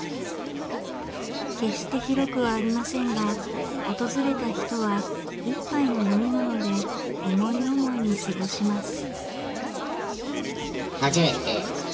決して広くはありませんが訪れた人は一杯の飲み物で思い思いに過ごします。